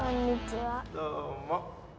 どうも。